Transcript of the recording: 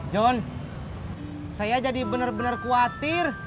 jon saya jadi bener bener khawatir